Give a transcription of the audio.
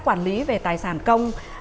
quản lý về tài sản công